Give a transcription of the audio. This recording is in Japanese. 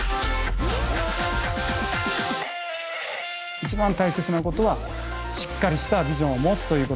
一番大切なことはしっかりしたビジョンを持つということです。